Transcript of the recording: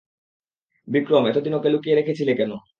বিক্রম, এতদিন ওকে লুকিয়ে রেখেছিলে কেন?